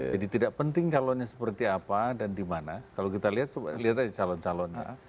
jadi tidak penting calonnya seperti apa dan di mana kalau kita lihat lihat aja calon calonnya